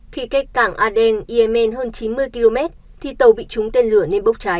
khi cách cảng aden yemen hơn chín mươi km thì tàu bị trúng tên lửa nên bốc cháy